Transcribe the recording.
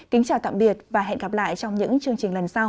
kính chào tạm biệt và hẹn gặp lại trong những chương trình lần sau